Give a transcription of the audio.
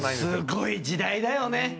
すごい時代だよね。